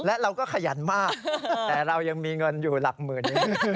และเราก็ขยันมากแต่เรายังมีเงินอยู่หลักหมื่นนี้